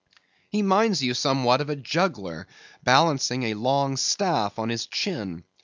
He minds you somewhat of a juggler, balancing a long staff on his chin.